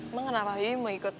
emang kenapa bibi mau ikut